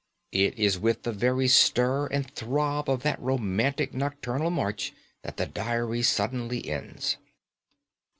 It is with the very stir and throb of that romantic nocturnal march that the diary suddenly ends."